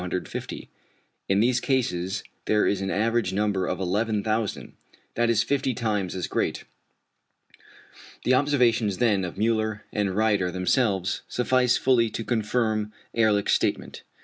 In these cases there is an average number of 11,000, that is 50 times as great. The observations then of Müller and Rieder themselves suffice fully to confirm Ehrlich's statement.